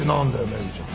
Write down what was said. メグちゃん。